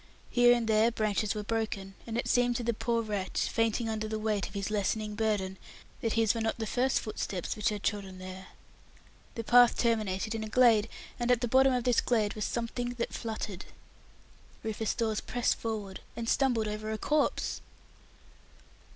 Here and there branches were broken, and it seemed to the poor wretch, fainting under the weight of his lessening burden, that his were not the first footsteps which had trodden there. The path terminated in a glade, and at the bottom of this glade was something that fluttered. Rufus Dawes pressed forward, and stumbled over a corpse!